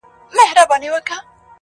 دا پاته عمر ملګي کومه ښه کومه ،